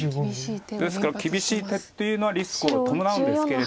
ですから厳しい手っていうのはリスクを伴うんですけれども。